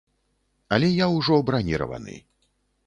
Але я ўжо браніраваны.